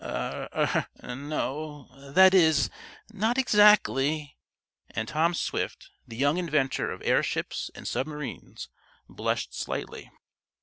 "Er no that is, not exactly," and Tom Swift, the young inventor of airships and submarines, blushed slightly.